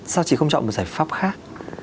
sao chị không chọn một giải pháp khác